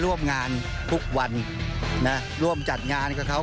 ร่วมงานทุกวันนะร่วมจัดงานกับเขา